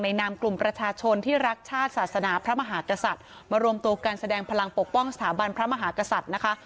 นามกลุ่มประชาชนที่รักชาติศาสนาพระมหากษัตริย์มารวมตัวการแสดงพลังปกป้องสถาบันพระมหากษัตริย์นะคะ